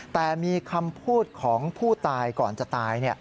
แต่มีคำพูดของผู้ตายก่อนจะตาย